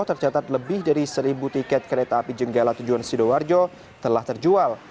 tercatat lebih dari seribu tiket kereta api jenggala tujuan sidoarjo telah terjual